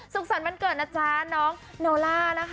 สรรค์วันเกิดนะจ๊ะน้องโนล่านะคะ